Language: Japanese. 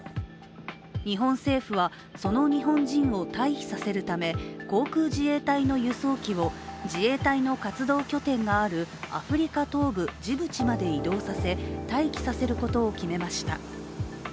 日本政府は、その日本人を退避させるため航空自衛隊の輸送機を自衛隊の活動拠点があるアフリカ東部ジブチまで移動させ、待機させることを決めました。